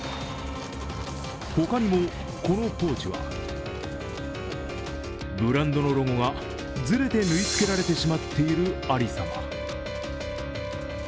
他にも、このポーチはブランドのロゴがずれて縫いつけられてしまっているありさま。